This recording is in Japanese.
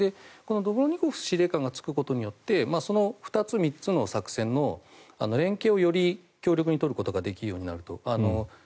このドボルニコフ司令官が就くことによってその２つ、３つの作戦の連携をより強力に取ることができるようになると。